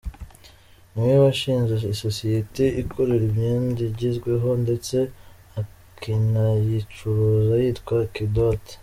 Ni we washinze isosiyete ikora imyenda igezweho ndetse ikanayicuruza yitwa Kidoti.